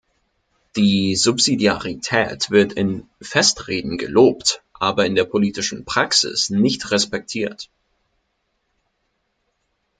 Die Subsidiarität wird in Festreden gelobt, aber in der politischen Praxis nicht respektiert.